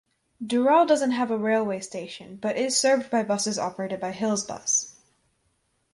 Dural doesn't have a railway station but is served by buses operated by Hillsbus.